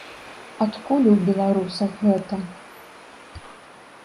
Адкуль у беларусах гэта?